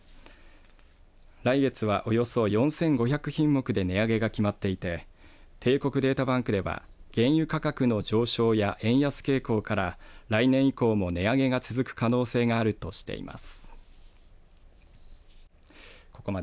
来月は、およそ４５００品目で値上げが決まっていて帝国データバンクでは原油価格の上昇や円安傾向から来年以降も値上げが続く可能性があるとしています。